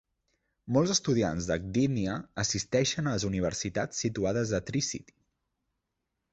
Molts estudiants de Gdynia assisteixen a les universitats situades a Tricity.